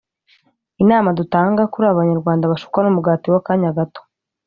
Inama dutanga kuri aba banyarwanda bashukwa n’umugati w’akanya gato